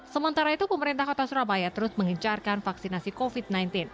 sementara itu pemerintah kota surabaya terus mengencarkan vaksinasi covid sembilan belas